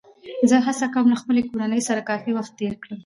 زه هڅه کوم له خپلې کورنۍ سره کافي وخت تېر کړم